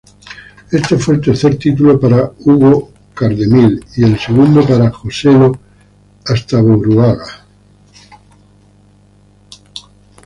Este fue el tercer título para Hugo Cardemil y el segundo para "Joselo" Astaburuaga.